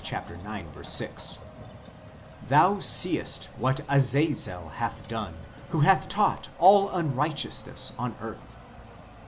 6, " Thou seest what Azazel hath done, who hath taught all unrighteousness on earth